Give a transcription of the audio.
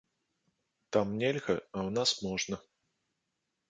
Там нельга, а ў нас можна.